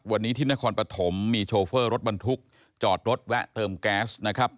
วันนี้ที่นครปฐมมีโชเฟอร์รถบรรทุกจอดรถแวะเติมแก๊สนะครับ